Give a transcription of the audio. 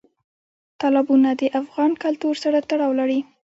تالابونه د افغان کلتور سره تړاو لري.